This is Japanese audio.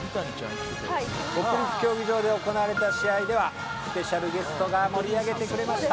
国立競技場で行われた試合ではスペシャルゲストが盛り上げてくれました。